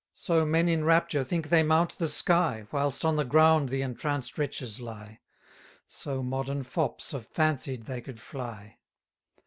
So men in rapture think they mount the sky, Whilst on the ground the entranced wretches lie: So modern fops have fancied they could fly.